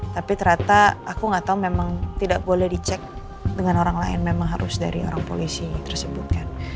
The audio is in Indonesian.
tapi ternyata aku nggak tahu memang tidak boleh dicek dengan orang lain memang harus dari orang polisi tersebut kan